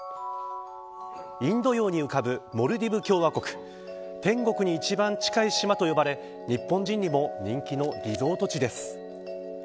インド洋に浮かぶモルディブ共和国天国に一番近い島と呼ばれ日本人にも人気のリゾート地です。